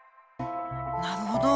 なるほど。